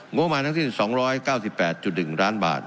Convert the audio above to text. บมาทั้งสิ้น๒๙๘๑ล้านบาท